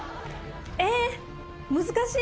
えっ難しい！